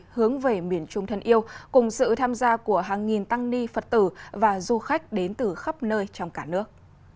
hướng về miền trung thân yêu cùng sự tham gia của hàng nghìn tăng ni phật tử và du khách đến từ khắp nơi trong cả nước